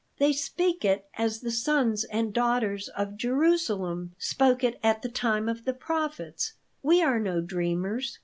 "They speak it as the sons and daughters of Jerusalem spoke it at the time of the prophets. We are no dreamers.